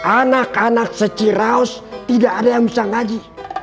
anak anak seciraus tidak ada yang bisa ngaji